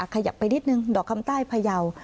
ขยับไปนิดนึงดอกคำใต้พยาว